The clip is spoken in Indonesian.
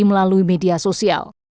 melalui media sosial